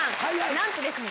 なんとですね。